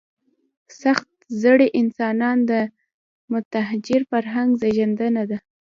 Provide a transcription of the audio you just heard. سخت زړي انسانان د متحجر فرهنګ زېږنده دي.